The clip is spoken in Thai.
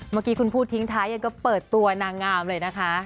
เมื่อกี้คุณพูดทิ้งท้ายยังก็เปิดตัวนางงามเลยนะคะ